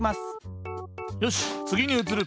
よしつぎにうつる。